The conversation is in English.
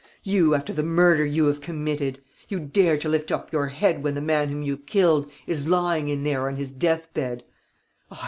You after the murder you have committed! You dare to lift up your head when the man whom you killed is lying in there on his death bed!